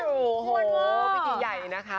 โอ้โหพิธีใหญ่นะคะ